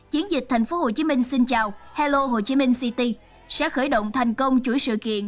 chiến dịch tp hcm xin chào hello hồ chí minh city sẽ khởi động thành công chuỗi sự kiện